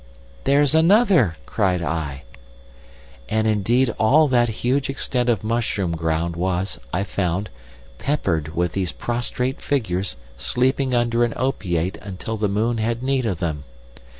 "'There's another!' cried I. "And indeed all that huge extent of mushroom ground was, I found, peppered with these prostrate figures sleeping under an opiate until the moon had need of them.